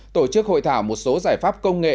tổ chức hội thảo một số giải pháp công nghệ